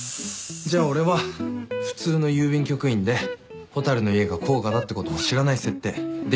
じゃあ俺は普通の郵便局員で蛍の家が甲賀だってことも知らない設定でいいんだよな？